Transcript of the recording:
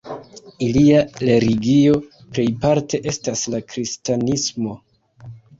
Ilia religio plejparte estas la kristanismo.